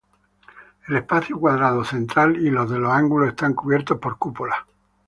El espacio cuadrado central y los de los ángulos están cubiertos por cúpulas.